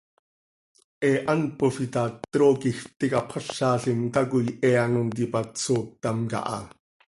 He hant pofii ta, trooquij pti capxázalim tacoi he ano ntipat sooctam caha.